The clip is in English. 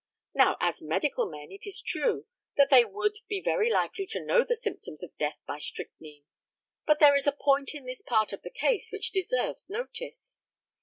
Now, as medical men, it is true, that they would be very likely to know the symptoms of death by strychnine. But there is a point in this part of the case which deserves notice.